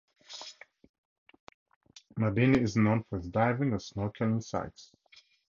Mabini is known for its diving and snorkeling sites.